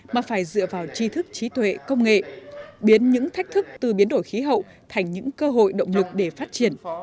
mà phải dựa vào chi thức trí tuệ công nghệ biến những thách thức từ biến đổi khí hậu thành những cơ hội động lực để phát triển